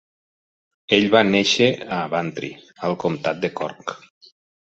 Ell va néixer a Bantry, al comtat de Cork.